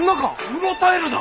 うろたえるな。